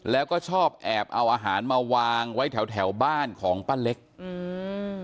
แล้วก็ชอบแอบเอาอาหารมาวางไว้แถวแถวบ้านของป้าเล็กอืม